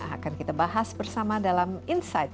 akan kita bahas bersama dalam insight